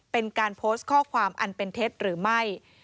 เป็นการโพสต์ข้อความอันเป็นเท็จหรือไม่